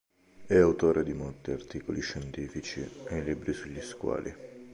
È autore di molti articoli scientifici e libri sugli squali.